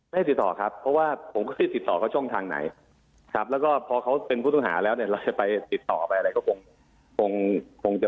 เพราะว่าเขาถูกจับเขาถูกยึดโทรศัพท์อะไรไปเนี่ย